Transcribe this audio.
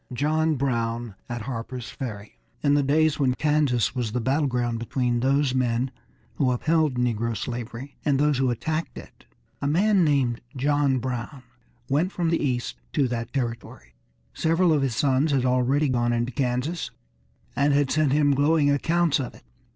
XI JOHN BROWN AT HARPER'S FERRY In the days when Kansas was the battle ground between those men who upheld negro slavery, and those who attacked it, a man named John Brown went from the east to that territory. Several of his sons had already gone into Kansas, and had sent him glowing accounts of it.